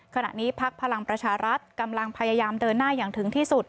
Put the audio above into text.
พักพลังประชารัฐกำลังพยายามเดินหน้าอย่างถึงที่สุด